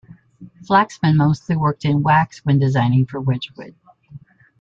Flaxman mostly worked in wax when designing for Wedgwood.